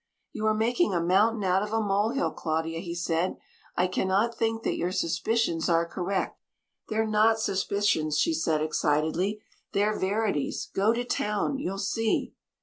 "You are making a mountain out of a molehill, Claudia," he said. "I cannot think that your suspicions are correct." "They're not suspicions," she said excitedly, "they're verities. Go to town you'll see."